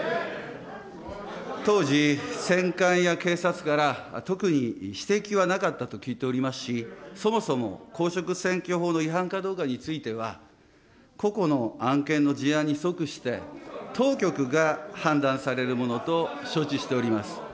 当時、選管や警察から、特に指摘はなかったと聞いておりますし、そもそも公職選挙法の違反かどうかについては、個々の案件の事案に即して、当局が判断されるもの